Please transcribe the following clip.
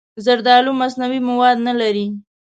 زردالو مصنوعي مواد نه لري.